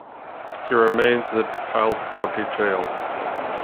He remains in the DeKalb County jail.